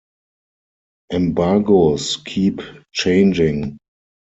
Embargoes keep changing.